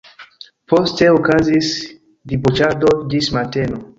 Poste okazis diboĉado ĝis mateno.